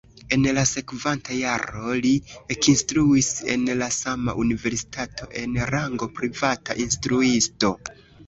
En la sekvanta jaro li ekinstruis en la sama universitato en rango privata instruisto.